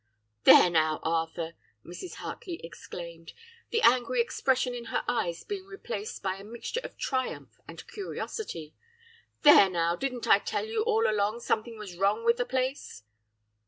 "'There now, Arthur!' Mrs. Hartley exclaimed, the angry expression in her eyes being replaced by a mixture of triumph and curiosity 'There now! didn't I tell you all along something was wrong with the place?